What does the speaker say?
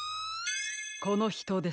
このひとです。